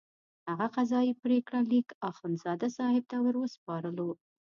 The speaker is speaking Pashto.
هغه قضایي پرېکړه لیک اخندزاده صاحب ته وروسپارلو.